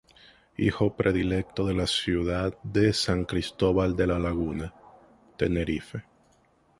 Hijo predilecto de la Ciudad de San Cristobal de La laguna, Tenerife.